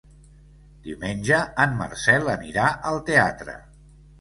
Diumenge en Marcel anirà al teatre.